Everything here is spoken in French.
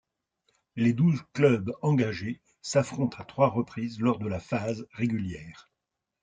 Les douze clubs engagés s'affrontent à trois reprises lors de la phase régulière.